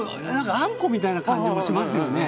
あんこみたいな感じもしますよね。